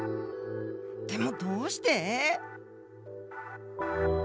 でもどうして？